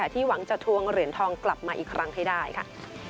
ที่หวังจะทวงเหรียญทองกลับมาอีกครั้งให้ได้ค่ะ